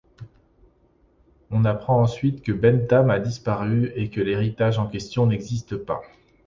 On apprend ensuite que Bentham a disparu et que l'héritage en question n'existe pas.